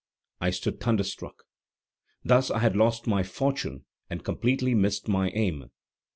I stood thunderstruck. Thus I had lost my fortune and completely missed my aim!